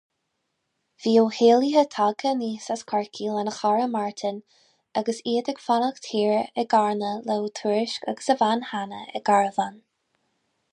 Bhí Ó hÉalaithe tagtha aníos as Corcaigh lena chara Martin, agus iad ag fanacht thiar i gCarna le Ó Tuairisg agus a bhean, Hannah, i gcarbhán.